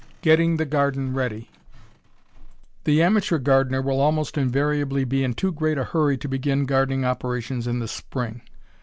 I GETTING THE GARDEN READY The amateur gardener will almost invariably be in too great a hurry to begin gardening operations in the spring.